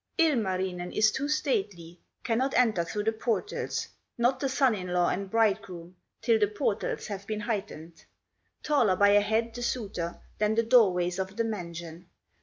"Ilmarinen is too stately, Cannot enter through the portals, Not the son in law and bridegroom, Till the portals have been heightened; Taller by a head the suitor Than the door ways of the mansion."